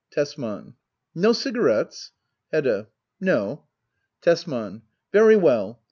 Tesman. No cigarettes ? Hedda. No. Tesman. Very well.